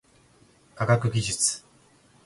科学技術